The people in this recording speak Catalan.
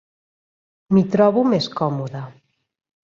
M'hi trobo més còmode.